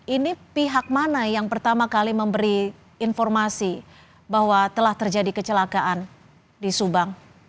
ini pihak mana yang pertama kali memberi informasi bahwa telah terjadi kecelakaan di subang